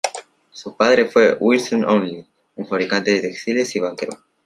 Su padre fue Wilson Olney, un fabricante de textiles y banquero.